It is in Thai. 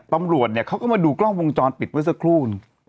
ตำรวจเนี่ยเขาก็มาดูกล้องวงจรปิดเมื่อสักครู่